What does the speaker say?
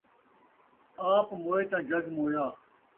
آپ موئے تاں جگ مویا